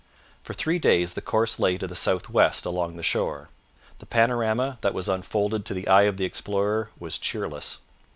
For three days the course lay to the south west along the shore. The panorama that was unfolded to the eye of the explorer was cheerless.